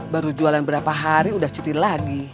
baru jualan berapa hari udah cuti lagi